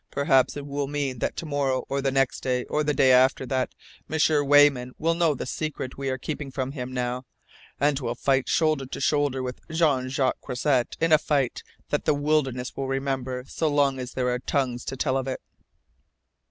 "Perhaps it will mean that to morrow, or the next day, or the day after that M'sieur Weyman will know the secret we are keeping from him now, and will fight shoulder to shoulder with Jean Jacques Croisset in a fight that the wilderness will remember so long as there are tongues to tell of it!"